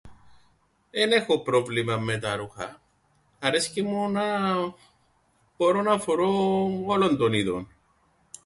Εν έχω πρόβλημαν με τα ρούχα. Αρέσκει μου να μπόρω να φορώ όλων των ειδών...